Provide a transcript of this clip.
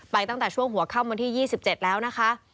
ตั้งแต่ช่วงหัวค่ำวันที่๒๗แล้วนะคะ